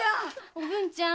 おぶんちゃん。